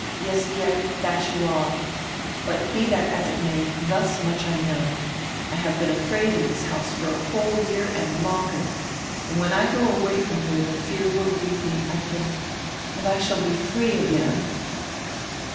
Yes, Geert, that you are. But he tlrat as it may, thus much I know, I have been afraid in diis house for a whole year and longer, and when I go away from here die fear will leave me, I diink, and I shall he free again."